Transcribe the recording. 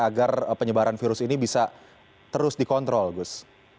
agar penyebaran virus ini bisa terus dikontrol gus